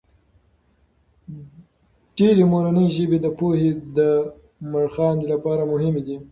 ډېرې مورنۍ ژبې د پوهې د مړخاندې لپاره مهمې دي.